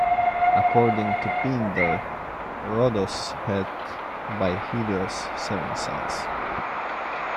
According to Pindar, Rhodos had, by Helios, seven sons.